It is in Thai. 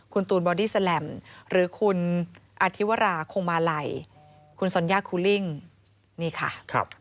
คุณตูนบอดี้แลมหรือคุณอธิวราคงมาลัยคุณสัญญาคูลิ่งนี่ค่ะ